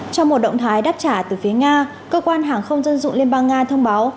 trong một động thái đáp trả từ phía nga cơ quan hàng không dân dụng liên bang nga thông báo